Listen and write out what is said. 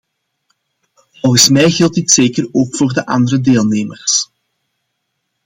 Volgens mij geldt dit zeker ook voor de andere deelnemers.